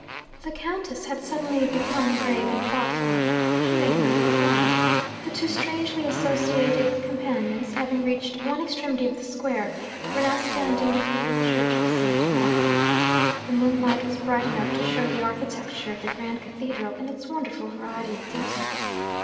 The Countess had suddenly become grave and thoughtful. She made no reply. The two strangely associated companions, having reached one extremity of the square, were now standing before the church of St. Mark. The moonlight was bright enough to show the architecture of the grand cathedral in its wonderful variety of detail.